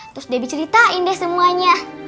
terus debbie ceritain deh semuanya